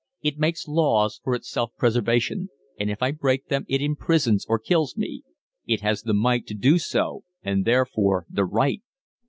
It makes laws for its self preservation, and if I break them it imprisons or kills me: it has the might to do so and therefore the right.